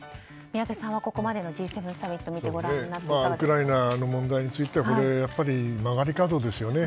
宮家さんはここまでのＧ７サミットをご覧になってウクライナの問題については曲がり角ですよね。